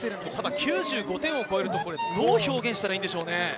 ９５点を超えると、どう表現すればいいんでしょうね。